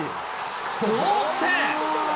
同点！